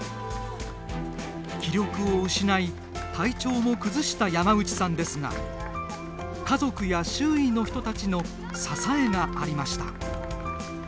気力を失い体調も崩した山内さんですが家族や周囲の人たちの支えがありました。